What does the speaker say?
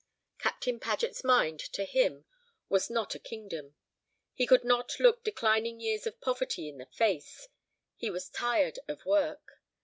Captain Paget's mind, to him, was not a kingdom. He could not look declining years of poverty in the face; he was tired of work.